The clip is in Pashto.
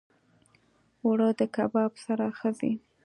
اوړه د کباب سره ښه ځي